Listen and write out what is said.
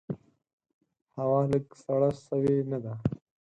هوا لږ سړه سوي نده؟